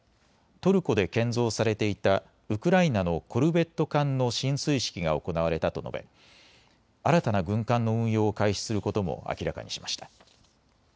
トルコで建造されていたウクライナのコルベット艦の進水式が行われたと述べ、新たな軍艦の運用を開始することも明らかにしました。